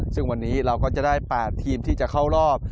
ซึ่งวันนี้เราก็จะได้๘ทีมที่จะเข้ารอบ